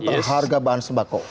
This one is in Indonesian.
terhadap harga bahan sebako